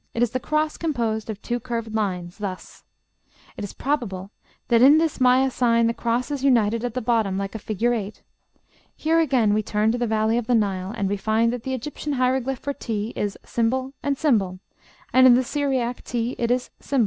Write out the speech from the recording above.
It is the cross composed of two curved lines, thus, ###. It is probable that in the Maya sign the cross is united at the bottom, like a figure 8. Here again we turn to the valley of the Nile, and we find that the Egyptian hieroglyph for t is ### and ###; and in the Syriac t it is ###